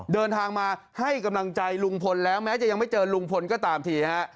เดินทางมาให้กำลังใจลุงพลแล้วแม้จะยังไม่เจอลุงพลก็ตามทีฮะ